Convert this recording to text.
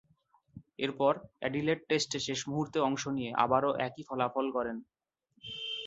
এরপর, অ্যাডিলেড টেস্টে শেষ মুহূর্তে অংশ নিয়ে আবারও একই ফলাফল করেন।